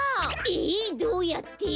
えっどうやって？